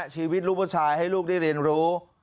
ชีวิตลูกผู้ชายให้ลูกได้เรียนรู้